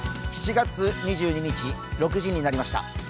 ７月２２日６時になりました。